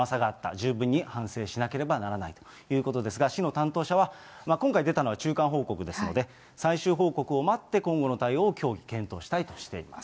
十分に反省しなければならないということですが、市の担当者は、今回出たのは中間報告ですので、最終報告を待って、今後の対応を協議、検討したいとしています。